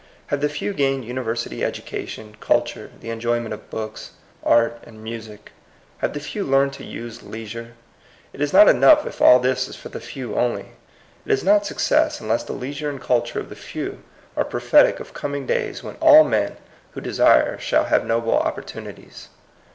Have the few gained university educa tion, culture, the enjoyment of books, art, and music? Have the few learned to use leisure? It is not enough if all this is for the few only. It is not success un less the leisure and culture of the few are prophetic of coming days when all SHORT CUTS TO SUCCESS. 91 men who desire shall have noble oppor tunities.